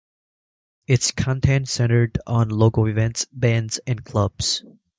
Its content centered on local events, bands and clubs.